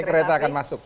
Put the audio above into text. ini kereta akan masuk